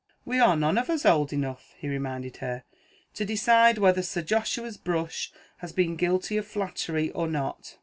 "We are none of us old enough," he reminded her, "to decide whether Sir Joshua's brush has been guilty of flattery or not."